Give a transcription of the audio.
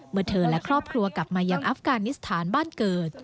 เมื่อเธอและครอบครัวกลับมายังอัฟกานิสถานบ้านเกิด